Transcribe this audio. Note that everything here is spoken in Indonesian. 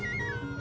terima kasih pak